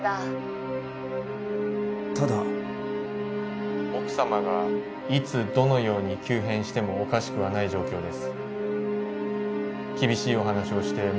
ただ奥様がいつどのように急変してもおかしくはない状況です。